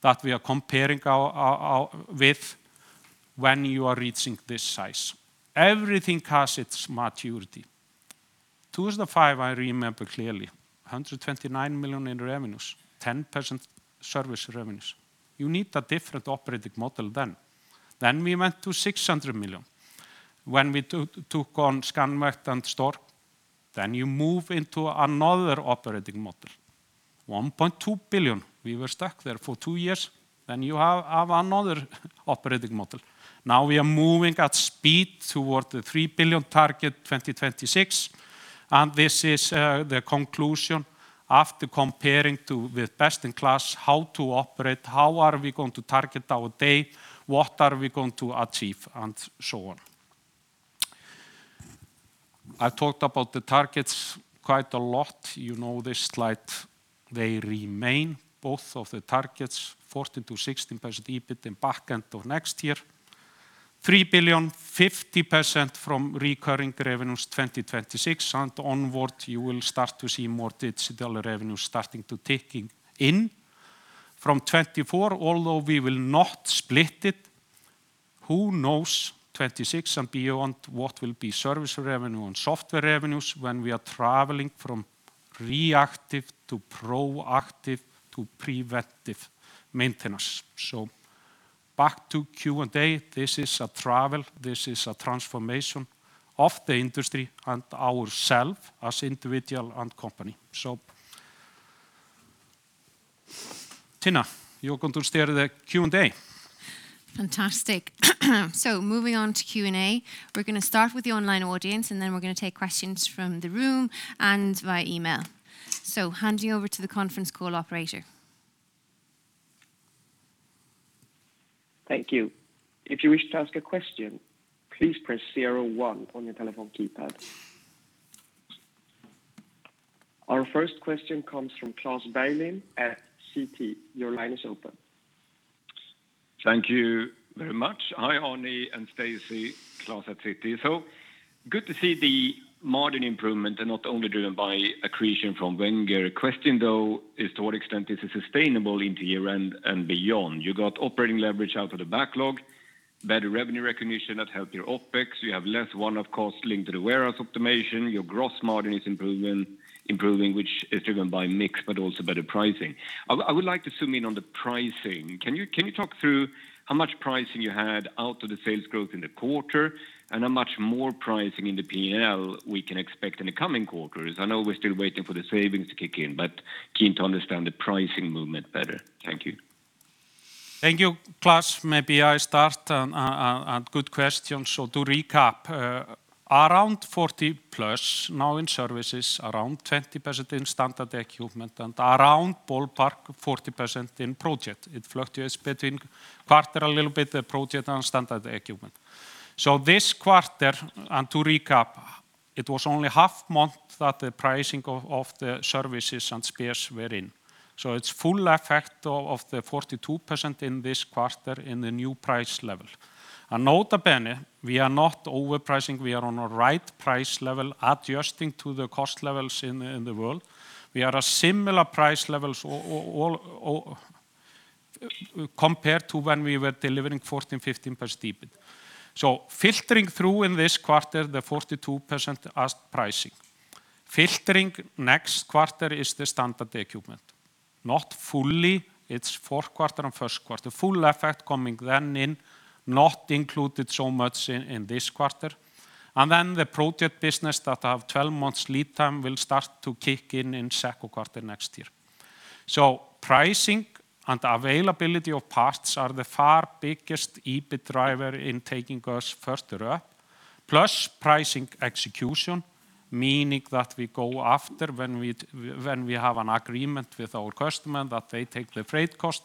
that we are comparing our with when you are reaching this size. Everything has its maturity. 2005, I remember clearly, 129 million in revenues, 10% service revenues. You need a different operating model then. We went to 600 million when we took on Scanvaegt and Stork. You move into another operating model. 1.2 billion, we were stuck there for two years, then you have another operating model. Now, we are moving at speed toward the 3 billion target, 2026, and this is the conclusion. After comparing with best in class, how to operate, how are we going to target our day, what are we going to achieve, and so on. I talked about the targets quite a lot. You know this slide, they remain both of the targets, 14%-16% EBIT in back end of next year. 3 billion, 50% from recurring revenues 2026 and onward, you will start to see more digital revenue starting to ticking in. From 2024, although we will not split it, who knows 2026 and beyond what will be service revenue and software revenues when we are traveling from reactive to proactive to preventive maintenance. Back to Q&A. This is a travel, this is a transformation of the industry and ourself as individual and company. Tinna, you're going to steer the Q&A. Fantastic. Moving on to Q&A, we're gonna start with the online audience, and then we're gonna take questions from the room and via email. Handing over to the conference call operator. Thank you. If you wish to ask a question, please press zero one on your telephone keypad. Our first question comes from Klas Bergelind at Citi. Your line is open. Thank you very much. Hi, Árni and Stacey. Klas at Citi. Good to see the margin improvement and not only driven by accretion from Wenger. Question, though, is to what extent is it sustainable into year-end and beyond? You got operating leverage out of the backlog, better revenue recognition that help your OpEx. You have less one-off costs linked to the warehouse automation. Your gross margin is improving, which is driven by mix, but also better pricing. I would like to zoom in on the pricing. Can you talk through how much pricing you had out of the sales growth in the quarter and how much more pricing in the P&L we can expect in the coming quarters? I know we're still waiting for the savings to kick in, but keen to understand the pricing movement better. Thank you. Thank you, Klas. Maybe I start on, good question. To recap, around 40+ now in services, around 20% in standard equipment and around ballpark 40% in project. It fluctuates between quarter a little bit, the project and standard equipment. This quarter, to recap, it was only half month that the pricing of the services and spares were in. It's full effect of the 42% in this quarter in the new price level. Notably, we are not overpricing, we are on a right price level adjusting to the cost levels in the world. We are at similar price levels overall compared to when we were delivering 14%, 15% EBIT. Flowing through in this quarter, the 42% as pricing. Flowing next quarter is the standard equipment. Not fully, it's fourth quarter and first quarter. Full effect coming then in, not included so much in this quarter. The project business that have 12 months lead time will start to kick in in second quarter next year. Pricing and availability of parts are the far biggest EBIT driver in taking us further up, plus pricing execution, meaning that we go after when we have an agreement with our customer that they take the freight cost,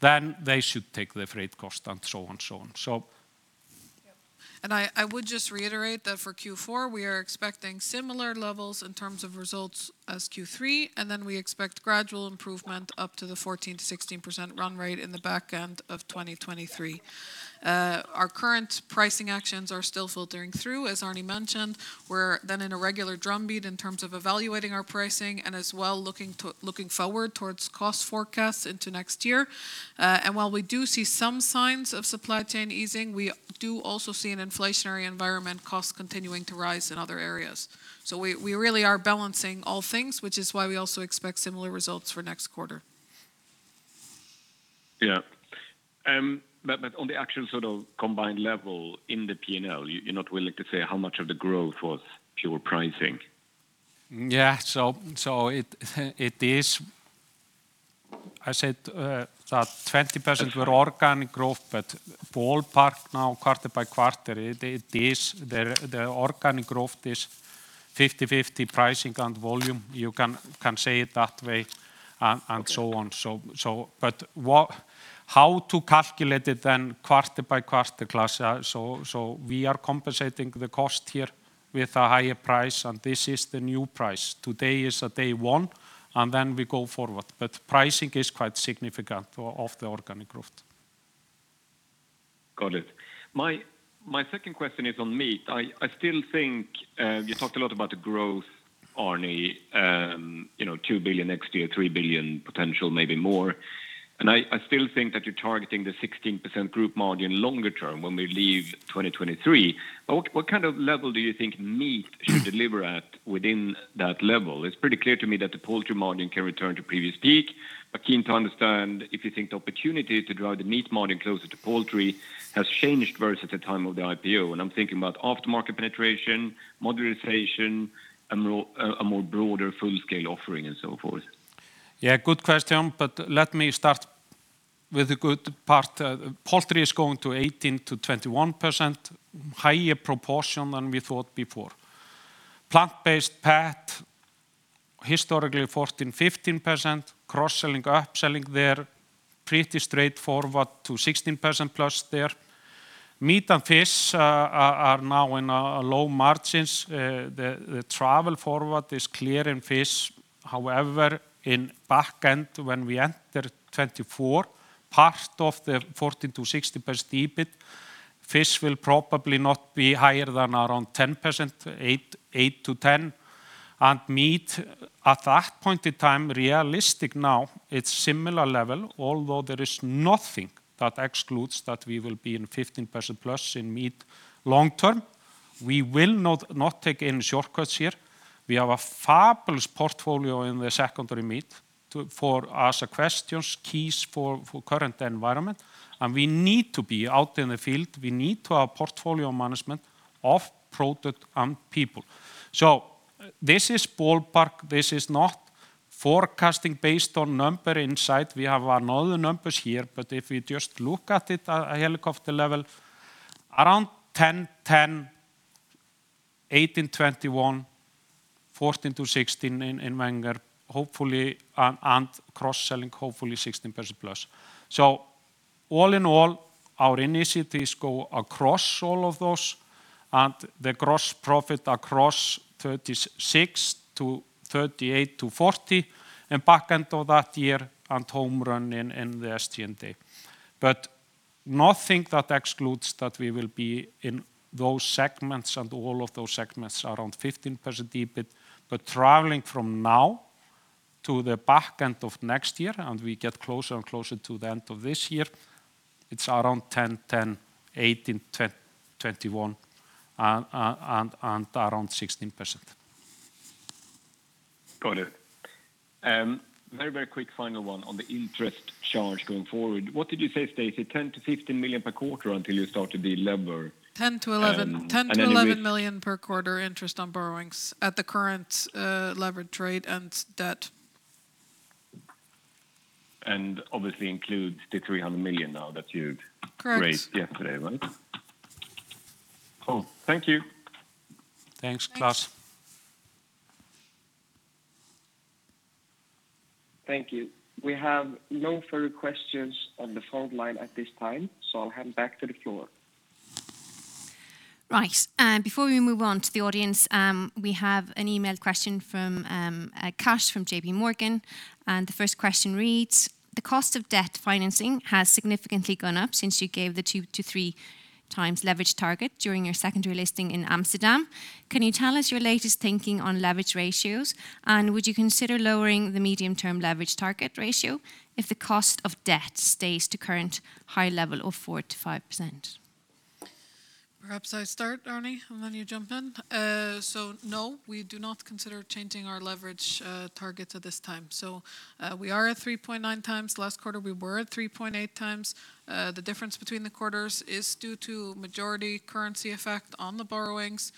then they should take the freight cost and so on. I would just reiterate that for Q4 we are expecting similar levels in terms of results as Q3, and then we expect gradual improvement up to the 14%-16% run rate in the back end of 2023. Our current pricing actions are still filtering through, as Árni mentioned. We're then in a regular drum beat in terms of evaluating our pricing and as well looking forward towards cost forecasts into next year. While we do see some signs of supply chain easing, we do also see an inflationary environment costs continuing to rise in other areas. We really are balancing all things, which is why we also expect similar results for next quarter. Yeah. On the actual sort of combined level in the P&L, you're not willing to say how much of the growth was pure pricing? Yeah. It is—I said that 20% were organic growth, but ballpark now quarter by quarter, the organic growth is 50/50 pricing and volume. You can say it that way and so on. How to calculate it then quarter by quarter, Klas? We are compensating the cost here with a higher price, and this is the new price. Today is day one, and then we go forward. Pricing is quite significant in the organic growth. Got it. My second question is on meat. I still think you talked a lot about the growth, Árni, you know, 2 billion next year, 3 billion potential, maybe more. I still think that you're targeting the 16% group margin longer term when we leave 2023. What kind of level do you think meat should deliver at within that level? It's pretty clear to me that the poultry margin can return to previous peak. I'm keen to understand if you think the opportunity to drive the meat margin closer to poultry has changed versus the time of the IPO. I'm thinking about aftermarket penetration, modularization, a more broader full-scale offering and so forth. Good question, but let me start with the good part. Poultry is going to 18%-21%, higher proportion than we thought before. Plant, pet, historically 14%, 15% cross-selling, upselling there, pretty straightforward to 16%+ there. Meat and fish are now in low margins. The trend forward is clear in fish. However, in back end, when we enter 2024, part of the 14%-16% EBIT, fish will probably not be higher than around 10%, 8%-10%. Meat at that point in time, realistic now it's similar level, although there is nothing that excludes that we will be in 15%+ in meat long term. We will not take any shortcuts here. We have a fabulous portfolio in the secondary meat too for us to ask the questions, key for the current environment, and we need to be out in the field. We need to have portfolio management of product and people. This is ballpark. This is not forecasting based on numerical insight. We have other numbers here, but if we just look at it at a helicopter level, around 10, 18, 21, 14%-16% in Wenger, hopefully, and cross-selling, hopefully 16%+. All in all, our initiatives go across all of those and the gross profit across 36% to 38% to 40% and back end of that year and home run in the SG&A. Nothing that excludes that we will be in those segments and all of those segments around 15% EBIT. Traveling from now to the back end of next year, and we get closer and closer to the end of this year, it's around 10, 18, 21 and around 16%. Got it. Very, very quick final one on the interest charge going forward. What did you say, Stacey? 10 million-15 million per quarter until you start to delever? 10 to 11. 10 million-11 million per quarter interest on borrowings at the current leverage rate and debt. Obviously includes the $300 million now that you'd- Correct. Raised yesterday, right? Cool. Thank you. Thanks, Klas. Thanks. Thank you. We have no further questions on the phone line at this time, so I'll hand back to the floor. Right. Before we move on to the audience, we have an email question from Akash from JPMorgan, and the first question reads: The cost of debt financing has significantly gone up since you gave the 2-3x leverage target during your secondary listing in Amsterdam. Can you tell us your latest thinking on leverage ratios? And would you consider lowering the medium-term leverage target ratio if the cost of debt stays at current high level of 4%-5%? Perhaps I start, Árni, and then you jump in. No, we do not consider changing our leverage target at this time. We are at 3.9x. Last quarter, we were at 3.8x. The difference between the quarters is due to majority currency effect on the borrowings.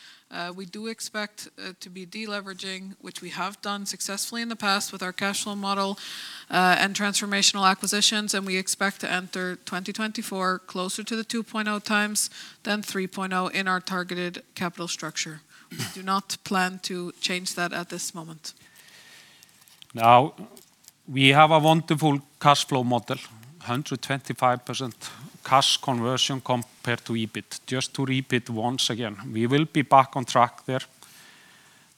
We do expect to be deleveraging, which we have done successfully in the past with our cash flow model and transformational acquisitions, and we expect to enter 2024 closer to the 2.0x than 3.0 in our targeted capital structure. We do not plan to change that at this moment. Now, we have a wonderful cash flow model, 125% cash conversion compared to EBIT. Just to repeat once again, we will be back on track there.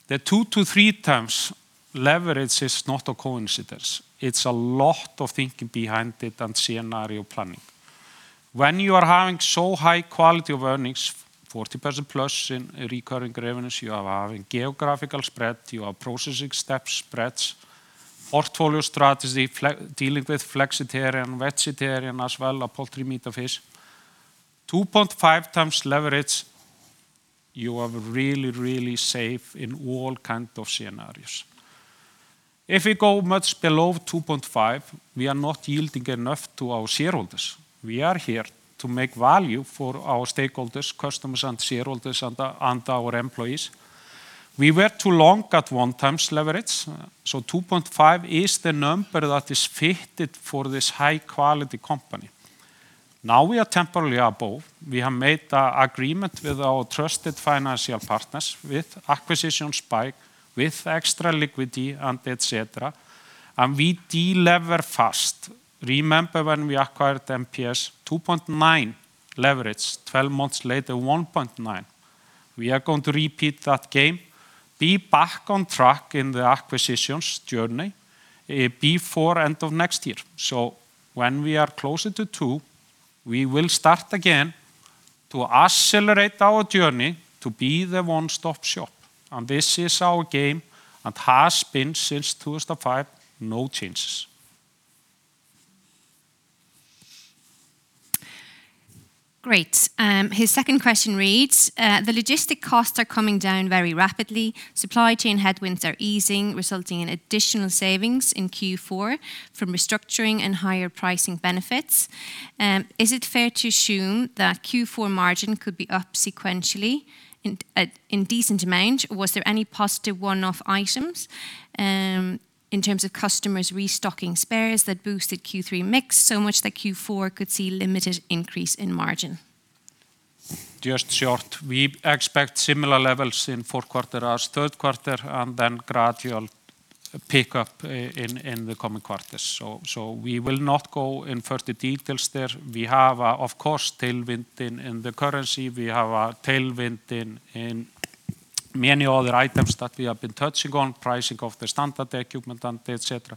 The 2-3x leverage is not a coincidence. It's a lot of thinking behind it and scenario planning. When you are having so high quality of earnings, 40%+ in recurring revenues, you are having geographical spread, you are processing step spreads, portfolio strategy, dealing with flexitarian, vegetarian as well, poultry, meat, or fish. 2.5x leverage, you are really, really safe in all kind of scenarios. If we go much below 2.5, we are not yielding enough to our shareholders. We are here to make value for our stakeholders, customers, and shareholders, and our employees. We were too long at 1x leverage, so 2.5 is the number that is fitted for this high-quality company. Now, we are temporarily above. We have made a agreement with our trusted financial partners with acquisition spike, with extra liquidity and et cetera, and we delever fast. Remember when we acquired MPS, 2.9 leverage. 12 months later, 1.9. We are going to repeat that game, be back on track in the acquisitions journey, before end of next year. When we are closer to two, we will start again to accelerate our journey to be the one-stop shop. This is our game and has been since 2005. No changes. Great. His second question reads, the logistics costs are coming down very rapidly. Supply chain headwinds are easing, resulting in additional savings in Q4 from restructuring and higher pricing benefits. Is it fair to assume that Q4 margin could be up sequentially in decent amount? Was there any positive one-off items in terms of customers restocking spares that boosted Q3 mix so much that Q4 could see limited increase in margin? Just short. We expect similar levels in fourth quarter as third quarter and then gradual pickup in the coming quarters. We will not go in further details there. We have, of course, tailwind in the currency. We have a tailwind in many other items that we have been touching on, pricing of the standard equipment and et cetera.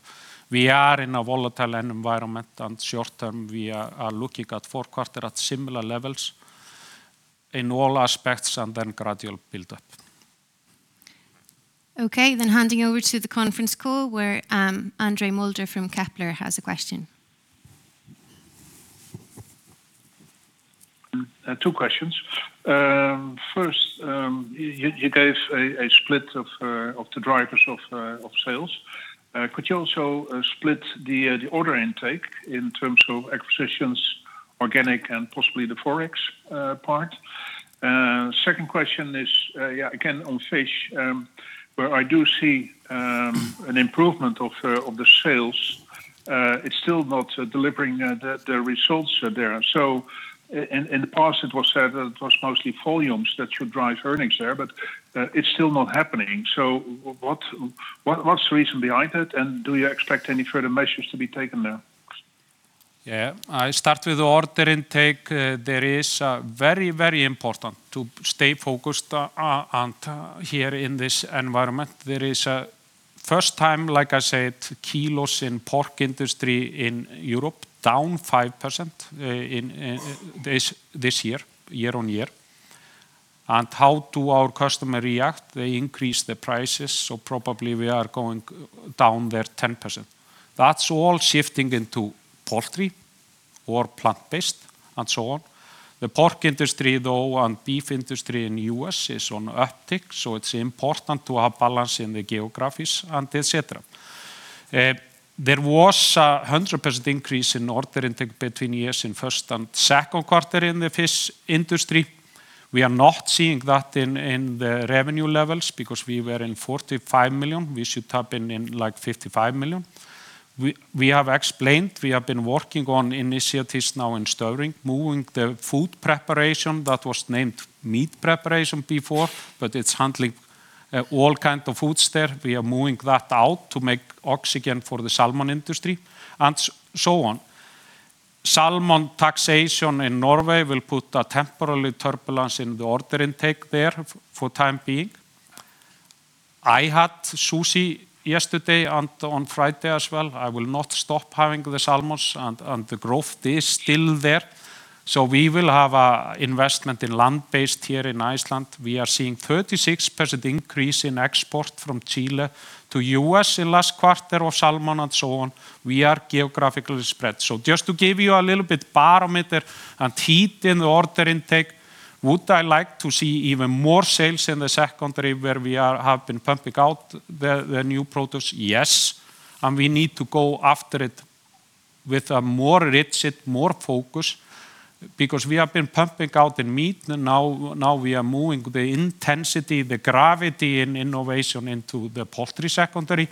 We are in a volatile environment, and short term we are looking at fourth quarter at similar levels in all aspects and then gradual build up. Okay. Handing over to the conference call where Andre Mulder from Kepler Cheuvreux has a question. Two questions. First, you gave a split of the drivers of sales. Could you also split the order intake in terms of acquisitions, organic and possibly the Forex part? Second question is, yeah, again, on Fish. Where I do see an improvement of the sales, it's still not delivering the results there. In the past it was said that it was mostly volumes that should drive earnings there, but it's still not happening. What's the reason behind it, and do you expect any further measures to be taken there? Yeah. I start with order intake. There is very, very important to stay focused and here in this environment. There is a first time, like I said, kilos in pork industry in Europe down 5% in this year-on-year. How do our customers react? They increase the prices, so probably we are going down there 10%. That's all shifting into poultry or plant-based and so on. The pork industry, though, and beef industry in U.S. is on uptick, so it's important to have balance in the geographies and et cetera. There was 100% increase in order intake between years in first and second quarter in the fish industry. We are not seeing that in the revenue levels because we were in 45 million. We should tap in like 55 million. We have explained we have been working on initiatives now in Støvring, moving the food preparation that was named meat preparation before, but it's handling all kinds of foods there. We are moving that out to make room for the salmon industry and so on. Salmon taxation in Norway will put a temporary turbulence in the order intake there for the time being. I had sushi yesterday and on Friday as well. I will not stop having the salmons, and the growth is still there. We will have an investment in land-based here in Iceland. We are seeing 36% increase in export from Chile to U.S. in last quarter of salmon and so on. We are geographically spread. Just to give you a little bit barometer and heat in the order intake, would I like to see even more sales in the secondary where we have been pumping out the new products? Yes. We need to go after it with a more rigorous, more focus because we have been pumping out in meat. Now we are moving the intensity, the center of gravity in innovation into the poultry secondary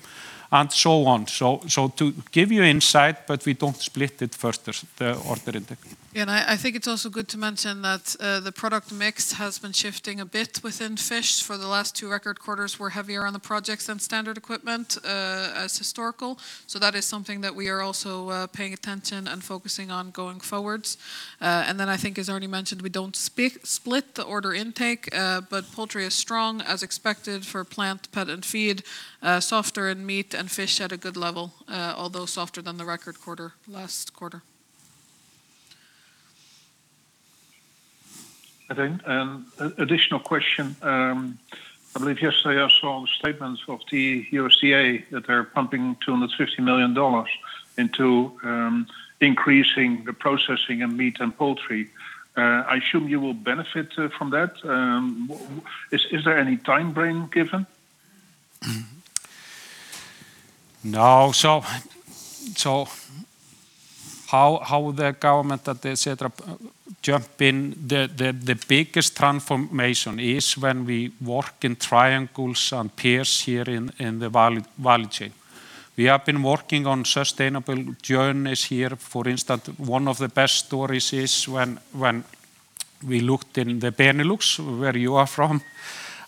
and so on. To give you insight, but we don't split it further, the order intake. Yeah. I think it's also good to mention that the product mix has been shifting a bit within Fish for the last two record quarters. We're heavier on the projects than standard equipment as historically. That is something that we are also paying attention and focusing on going forward. I think as already mentioned, we don't split the order intake, but Poultry is strong as expected for plant, pet, and feed, softer in Meat and Fish at a good level, although softer than the record quarter last quarter. I think additional question. I believe yesterday I saw the statements of the USDA that they're pumping $250 million into increasing the processing in meat and poultry. I assume you will benefit from that. Is there any time frame given? No. How the government, et cetera, jump in. The biggest transformation is when we work in triangles and pairs here in the value chain. We have been working on sustainable journeys here. For instance, one of the best stories is when we looked in the Benelux, where you are from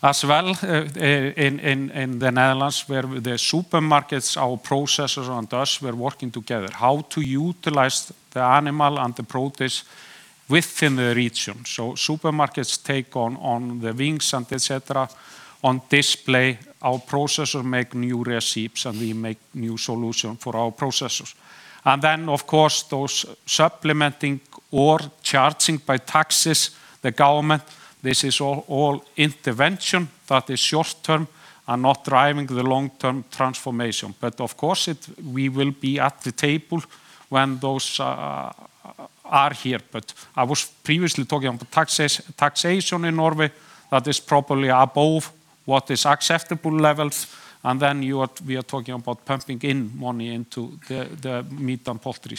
as well, in the Netherlands, where the supermarkets, our processors and us were working together. How to utilize the animal and the produce within the region. Supermarkets take on the wings and et cetera on display. Our processors make new recipes, and we make new solution for our processors. Then of course, those supplementing or charging by taxes, the government, this is all intervention that is short-term and not driving the long-term transformation. Of course we will be at the table when those are here. I was previously talking about taxation in Norway that is probably above what is acceptable levels. We are talking about pumping in money into the meat and poultry.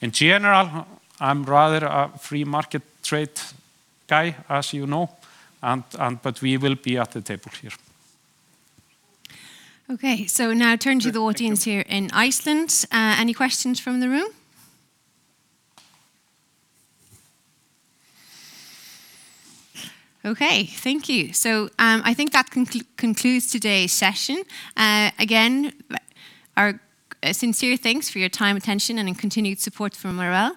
In general, I'm rather a free market trade guy, as you know, but we will be at the table here. Okay. Now turn to the audience here in Iceland. Any questions from the room? Okay, thank you. I think that concludes today's session. Again, our sincere thanks for your time, attention, and continued support for Marel.